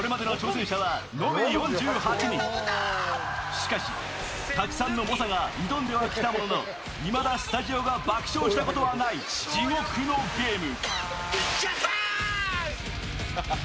しかし、たくさんの猛者が挑んではきたものの、いまだスタジオが爆笑したことはない地獄のゲーム。